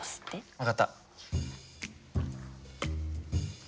分かった。